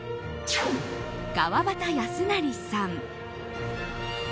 川端康成さん。